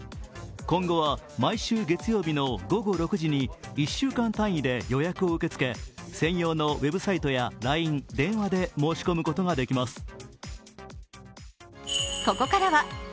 今後は毎週月曜日の午後６時に１週間単位で予約を受け付け専用のウェブサイトやＬＩＮＥ、電話で、申し込むことができます。